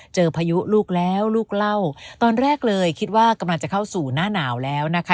พายุลูกแล้วลูกเล่าตอนแรกเลยคิดว่ากำลังจะเข้าสู่หน้าหนาวแล้วนะคะ